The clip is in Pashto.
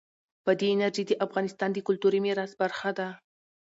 بادي انرژي د افغانستان د کلتوري میراث برخه ده.